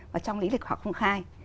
và trong lý lịch họ không khai